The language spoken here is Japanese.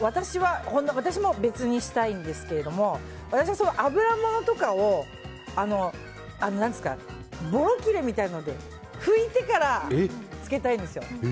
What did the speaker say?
私も別にしたいんですけど私は油ものとかをぼろきれみたいなので拭いてから浸けたいんですよ。